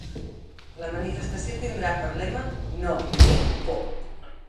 La manifestació tindrà per lema ‘No tinc por’.